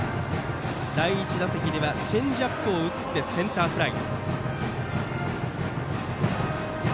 第１打席ではチェンジアップを打ってセンターフライ。